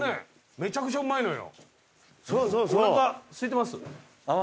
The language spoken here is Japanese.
めちゃめちゃうまいのよ。